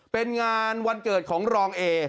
เป็นงานวันเกิดของรองเอ